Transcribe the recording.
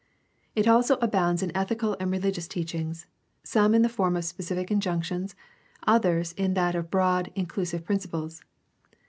It also abounds in ethical and religious teachings, some in the form of specific injunctions, others in that of broad, inclusive principles.